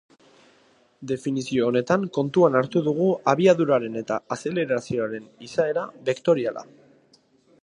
Definizio honetan kontuan hartu dugu abiaduraren eta azelerazioaren izaera bektoriala.